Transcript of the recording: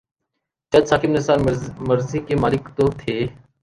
جج ثاقب نثار مرضی کے مالک تو تھے۔